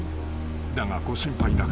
［だがご心配なく。